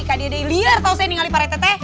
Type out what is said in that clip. kak dede liar tau saya nih ngalih pak rete teh